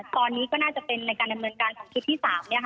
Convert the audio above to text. ตอนนี้ก็น่าจะเป็นในการดำเนินการของชุดที่๓